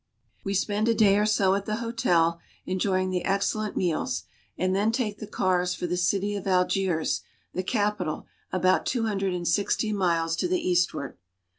We spend a day or so at the hotel, enjoying the excellent meals, and then take the cars for the city of Algiers, the capital, about two hundred and sixty miles to the eastward.